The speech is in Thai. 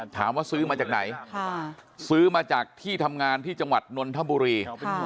ถามว่าซื้อมาจากไหนซื้อมาจากที่ทำงานที่จังหวัดนนทบุรี